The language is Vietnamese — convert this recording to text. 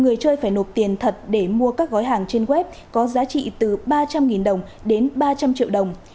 người chơi phải nộp tiền thật để mua các gói hàng trên web có giá trị từ ba trăm linh đồng đến ba trăm linh triệu đồng